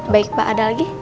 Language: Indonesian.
baik pak ada lagi